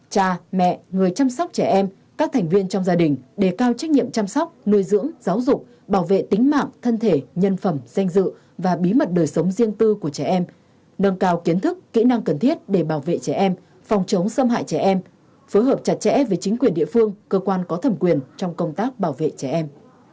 năm cha mẹ người chăm sóc trẻ em các thành viên trong gia đình đề cao trách nhiệm chăm sóc nuôi dưỡng giáo dục bảo vệ tính mạng thân thể nhân phẩm danh dự và bí mật đời sống riêng tư của trẻ em nâng cao kiến thức kỹ năng cần thiết để bảo vệ trẻ em phòng chống xâm hại trẻ em phối hợp chặt chẽ với chính quyền địa phương cơ quan có thẩm quyền trong công tác bảo vệ trẻ em